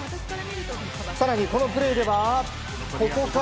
更にこのプレーではここから。